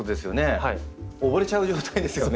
溺れちゃう状態ですよね。